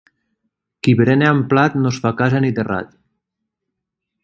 Qui berena amb plat no es fa casa ni terrat.